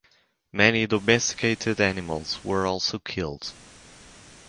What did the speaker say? Many domesticated animals were also killed.